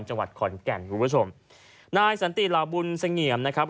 จังหวัดขอนแก่นคุณผู้ชมนายสันติลาบุญเสงี่ยมนะครับ